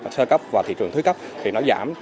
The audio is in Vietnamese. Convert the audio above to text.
sơ cấp vào thị trường thứ cấp thì nó giảm